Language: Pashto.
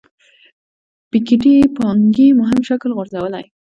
پيکيټي پانګې مهم شکل غورځولی.